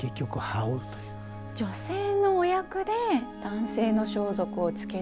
女性のお役で男性の装束をつける？